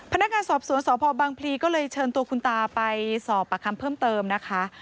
พนักงานสอบสวนสพบังพลีก็เลยเชิญตัวคุณตาไปสอบปากคำเพิ่มเติมนะคะ